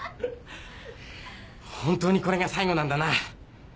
ホントにこれが最後なんだな。